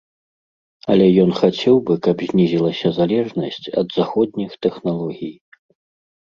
Але ён хацеў бы, каб знізілася залежнасць ад заходніх тэхналогій.